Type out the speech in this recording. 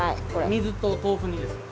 水と豆腐にですか？